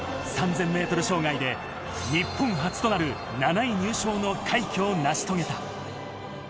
３０００ｍ障害で日本初となる７位入賞の快挙を成し遂げた。